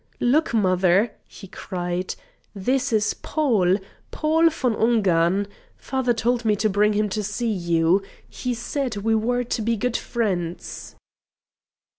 "Look, mother!" he cried. "This is Paul Paul von Ungern. Father told me to bring him to see you. He said we were to be good friends."